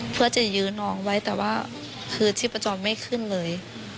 เพื่อจะยื้อน้องไว้แต่ว่าคือชีพจรไม่ขึ้นเลย